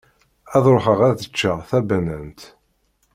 Ad ruḥeɣ ad ččeɣ tabanant.